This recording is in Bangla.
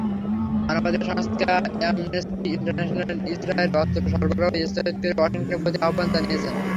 মানবাধিকার সংস্থা অ্যামনেস্টি ইন্টারন্যাশনাল ইসরায়েলে অস্ত্র সরবরাহ স্থগিত করতে ওয়াশিংটনের প্রতি আহ্বান জানিয়েছে।